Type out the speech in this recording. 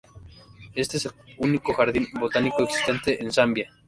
Este es el único jardín botánico existente en Zambia.